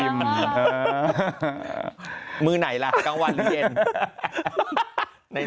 มือไหนล่ะกลางวันหรือเย็น